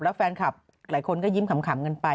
แล้วแฟนคลับหลายคนก็ยิ้มขำกันไป